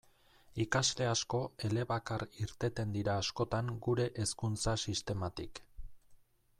Ikasle asko elebakar irteten dira askotan gure hezkuntza sistematik.